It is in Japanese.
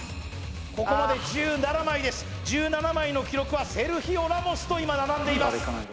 ここまで１７枚ですあ１７枚の記録はセルヒオ・ラモスと今並んでいます